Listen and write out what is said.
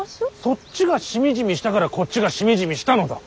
そっちがしみじみしたからこっちがしみじみしたのだ。